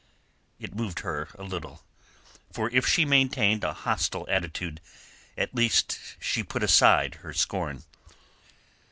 It moved her a little, for if she maintained a hostile attitude, at least she put aside her scorn.